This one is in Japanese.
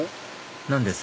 何です？